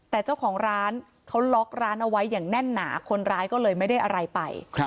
แต่เจ้าของร้านเขาล็อกร้านเอาไว้อย่างแน่นหนาคนร้ายก็เลยไม่ได้อะไรไป